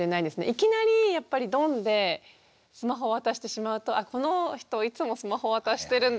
いきなりやっぱりドンでスマホを渡してしまうとあこの人いつもスマホ渡してるんだ